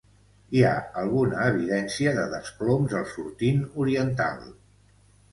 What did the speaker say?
Hi ha alguna evidència de desploms al sortint oriental.